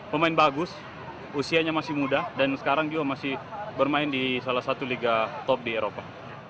pemain bagus usianya masih muda dan sekarang juga masih bermain di salah satu liga top di eropa